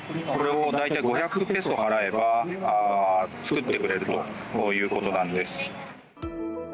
５００ペソ払えば作ってくれるということなんです。